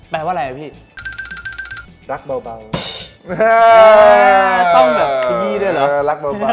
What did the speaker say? แปลว่าอะไรนะพี่รักเบาเบาต้องแบบขยี้ด้วยเหรอรักเบาเบา